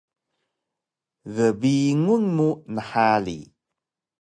Gbingun mu nhari!